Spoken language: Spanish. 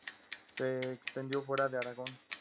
Se extendió fuera de Aragón.